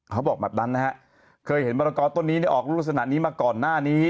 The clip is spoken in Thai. เค้าบอกแบบนั้นนะครับเคยเห็นมารกอต้นนี้ออกรูปลูกสนัดนี้มาก่อนหน้านี้